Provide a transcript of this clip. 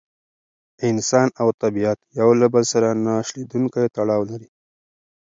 انسان او طبیعت یو له بل سره نه شلېدونکی تړاو لري.